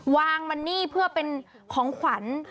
วางมันนี่เพื่อเป็นของขวัญ